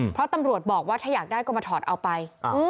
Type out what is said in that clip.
เพราะตำรวจบอกว่าถ้าอยากได้ก็มาถอดเอาไป